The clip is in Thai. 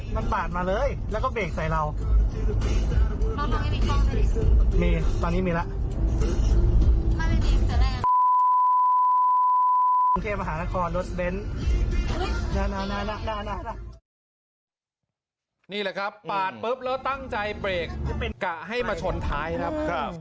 นี่แหละครับปาดปุ๊บแล้วตั้งใจเบรกกะให้มาชนท้ายครับ